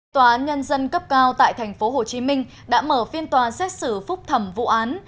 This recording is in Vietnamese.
tòa án nhân dân cấp cao tại tp hcm đã mở phiên tòa xét xử phúc thẩm vụ án